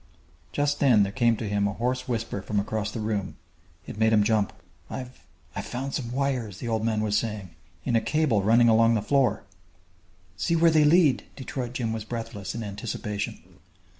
Just then there came to him a hoarse whisper from across the room. It made him jump. "I've I've found some wires," the old man was saying, "in a cable running along the floor " "See where they lead!" Detroit Jim was breathless, in anticipation.